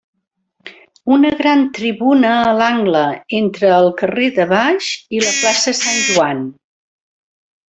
Una gran tribuna a l'angle entre el carrer de Baix i la Plaça Sant Joan.